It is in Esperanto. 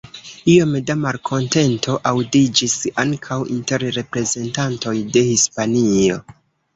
Iom da malkontento aŭdiĝis ankaŭ inter reprezentantoj de Hispanio.